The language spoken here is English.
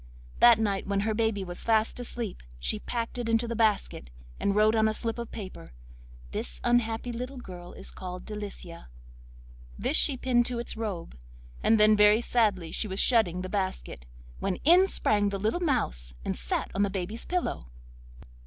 That night when her baby was fast asleep she packed it into the basket, and wrote on a slip of paper, 'This unhappy little girl is called Delicia!' This she pinned to its robe, and then very sadly she was shutting the basket, when in sprang the little mouse and sat on the baby's pillow.